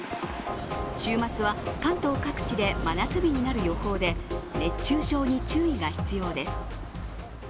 週末は関東各地で真夏日になる予報で熱中症に注意が必要です。